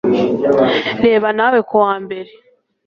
Reba nawe kuwa mbere